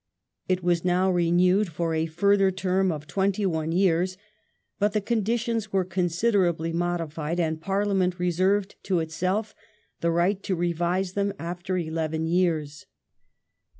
It was now renewed for a further term of twenty one years, but the conditions were considerably modified, and Parliament reserved to itself the right to revise them after eleven years.